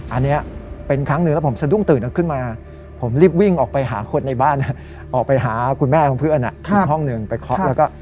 อันนี้เป็นครั้งหนึ่งแล้วผมสะดุ้งตื่นขึ้นมาผมรีบวิ่งออกไปหาคนในบ้านออกไปหาคุณแม่ของเพื่อนอีกห้องหนึ่งไปเคาะแล้วก็